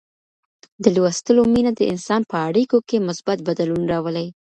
د لوستلو مینه د انسان په اړیکو کي مثبت بدلون راولي.